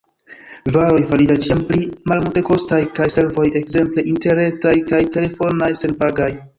Varoj fariĝas ĉiam pli malmultekostaj, kaj servoj – ekzemple interretaj kaj telefonaj – senpagaj.